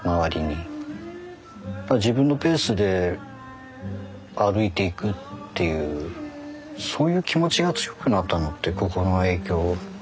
やっぱ自分のペースで歩いていくっていうそういう気持ちが強くなったのってここの影響あると思いますね。